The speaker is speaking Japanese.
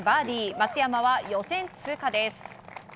松山は予選通過です。